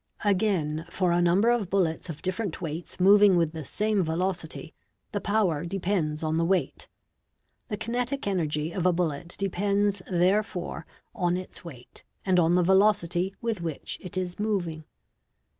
Again, for a number of bullets of different weights moving with the same velocity, the power depends on the weight. The kinetic energy of a bullet depends, therefore, on its weight, and on the velocity with which it is moving.